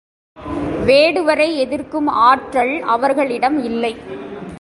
வேடுவரை எதிர்க்கும் ஆற்றல் அவர்களிடம் இல்லை.